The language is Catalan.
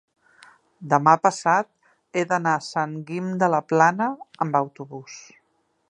demà passat he d'anar a Sant Guim de la Plana amb autobús.